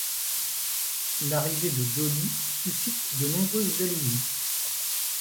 L'arrivée de Dolly suscite de nombreuses jalousies.